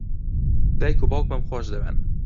دایک و باوکمم خۆش دەوێن.